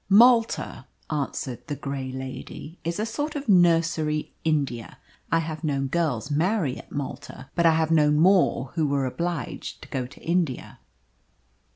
"Malta," answered the grey lady, "is a sort of Nursery India. I have known girls marry at Malta, but I have known more who were obliged to go to India."